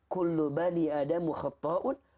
kullu bani adamu khatta'un